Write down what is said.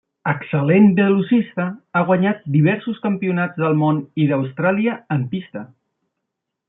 Excel·lent velocista, ha guanyat diversos campionats del món i d'Austràlia en pista.